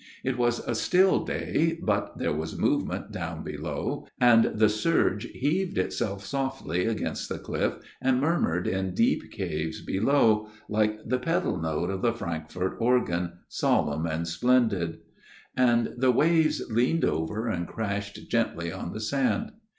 It was a still day, but there was movement down below ; and the surge heaved itself softly against the cliff, and murmured in deep caves below, like the pedal note of the Frankfort organ, solemn and splendid ; and the waves leaned over and crashed gently on the sand.